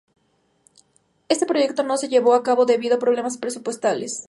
Este proyecto no se llevó a cabo debido a problemas presupuestales.